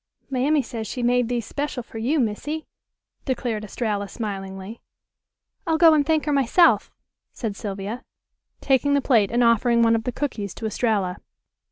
"Mammy says she made these 'special for you, Missy," declared Estralla smilingly. "I'll go and thank her myself," said Sylvia, taking the plate, and offering one of the cookies to Estralla.